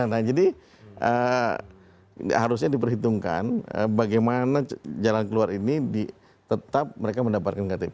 nah jadi harusnya diperhitungkan bagaimana jalan keluar ini tetap mereka mendapatkan ktp